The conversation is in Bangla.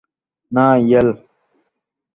না, ইয়েল।